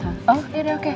oh yaudah oke